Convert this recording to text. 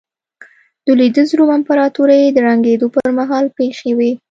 د لوېدیځ روم امپراتورۍ د ړنګېدو پرمهال پېښې وې